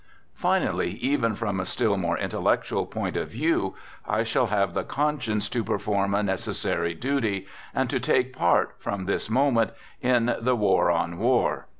Finally, even from a still more intellectual point of view, I shall have the conscience to perform a necessary duty, and to take part, from this moment, in the "war on war.